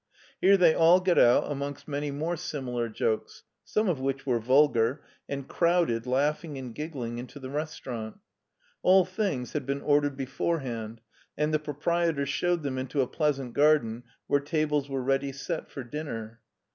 HEIDELBERG 45 Here they all got out amongst many more similar jokes, some of which were vulgar, and crowded, laugh ing and giggling, into the restaurant. All things had been ordered beforehand, and the proprietor showed them into a pleasant garden where tables were ready set for dinner.